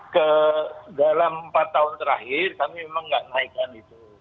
ke dalam empat tahun terakhir kami memang nggak naikkan itu